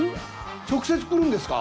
直接来るんですか？